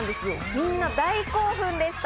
みんな大興奮でした。